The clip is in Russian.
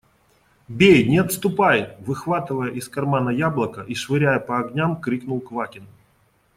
– Бей, не отступай! – выхватывая из кармана яблоко и швыряя по огням, крикнул Квакин.